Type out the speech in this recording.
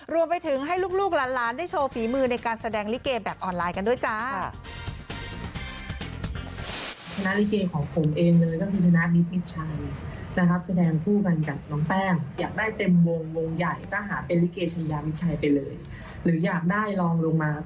รวมไปถึงให้ลูกหลานได้โชว์ฝีมือในการแสดงลิเกแบบออนไลน์กันด้วยจ้า